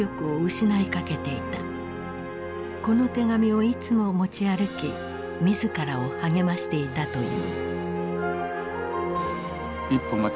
この手紙をいつも持ち歩き自らを励ましていたという。